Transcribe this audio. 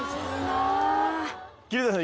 桐谷さん